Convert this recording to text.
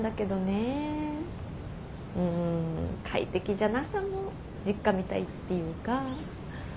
うん快適じゃなさも実家みたいっていうか。